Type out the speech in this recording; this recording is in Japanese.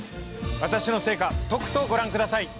私の成果とくとご覧ください